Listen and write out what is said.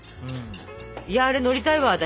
いやあれ乗りたいわ私。